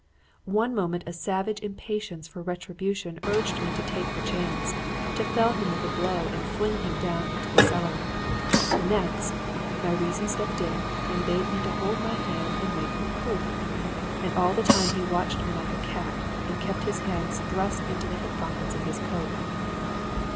One moment a savage impatience for retribution urged me to take the chance; to fell him with a blow and fling him down into the cellar. The next, my reason stepped in and bade me hold my hand and wait for proof. And all the time he watched me like a cat, and kept his hands thrust into the hip pockets of his coat.